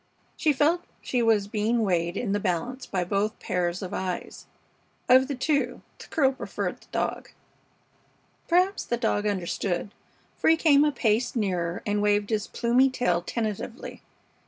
She felt she was being weighed in the balance by both pairs of eyes. Of the two the girl preferred the dog. Perhaps the dog understood, for he came a pace nearer and waved his plumy tail tentatively.